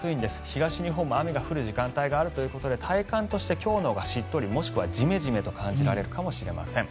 東日本も雨が降る時間帯があるということで体感として今日のほうがしっとりもしくはジメジメと感じられるかもしれません。